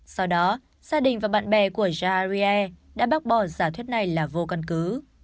sau đó gia đình và bạn bè của jarier đã bác bỏ giả thuyết này là vô căn cứ